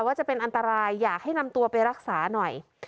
ว่าจะเป็นอันตรายอยากให้นำตัวไปรักษาหน่อย